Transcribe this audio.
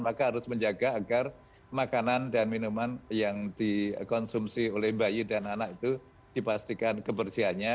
maka harus menjaga agar makanan dan minuman yang dikonsumsi oleh bayi dan anak itu dipastikan kebersihannya